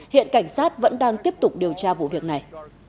hiện cảnh sát vẫn đang tiếp tục điều tra vụ việc này